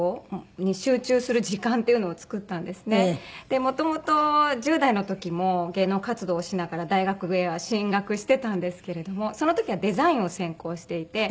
でもともと１０代の時も芸能活動をしながら大学へは進学してたんですけれどもその時はデザインを専攻していて。